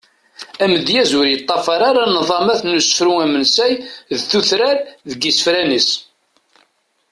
Amedyaz ur yeṭṭafar ara nḍamat n usefru amensay d utrar deg isefra-nsen.